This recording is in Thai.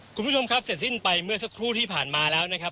คุณผู้ชมครับเสร็จสิ้นไปเมื่อสักครู่ที่ผ่านมาแล้วนะครับ